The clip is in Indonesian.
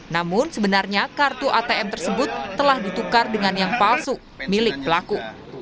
namun sebenarnya kartu atm tersebut telah ditukar dengan yang palsu milik pelaku